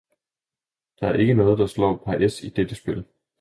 Der er ikke noget, der slår par es i dette spil.